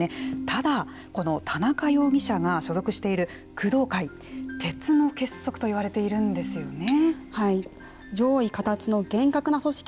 ただこの田中容疑者が所属している工藤会、鉄の結束と言われているんですよね。